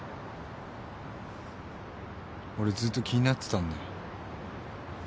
俺ずっと気になってたんだよ。